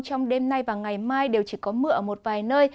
trong đêm nay và ngày mai đều chỉ có mưa ở một vài nơi